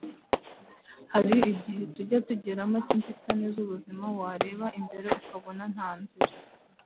Hari igihe tujya tugeramo cy'inzitane z'ubuzima wareba imbere ukabona nta nzira